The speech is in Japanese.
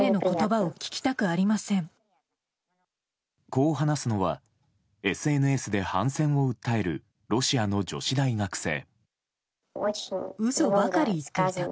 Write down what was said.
こう話すのはＳＮＳで反戦を訴えるロシアの女子大学生。